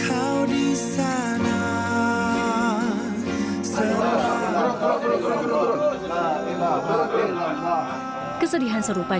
kedrubu oleh kc poliuniseri sarya